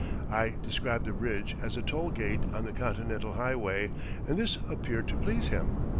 I described the bridge as a toll gate on the continental highway and this appeared to please him.